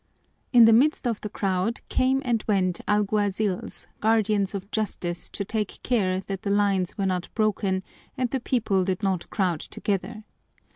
In the midst of the crowd came and went alguazils, guardians of justice to take care that the lines were not broken and the people did not crowd together.